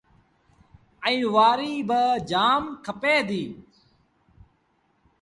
ائيٚݩ وآريٚ باجآم کپي ديٚ۔